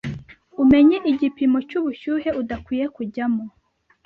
umenye igipimo cy’ubushyuhe udakwiye kujyamo.